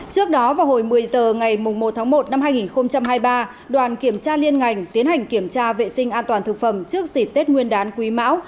trước đó vào hồi một mươi h ngày một tháng một năm hai nghìn hai mươi ba đoàn kiểm tra liên ngành tiến hành kiểm tra vệ sinh an toàn thực phẩm trước dịp tết nguyên đán quý mão